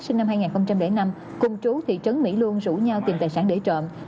sinh năm hai nghìn năm cùng chú thị trấn mỹ luôn rủ nhau tìm tài sản để trộm